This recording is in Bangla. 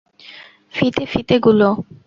ফিতে ফিতে গুলো?